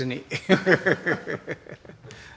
ハハハハ。